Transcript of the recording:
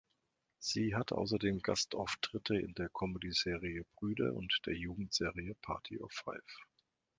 Sie hatte außerdem Gastauftritte in der Comedyserie "Brüder" und der Jugendserie "Party of Five".